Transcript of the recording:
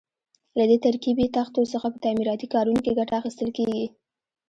له دې ترکیبي تختو څخه په تعمیراتي کارونو کې ګټه اخیستل کېږي.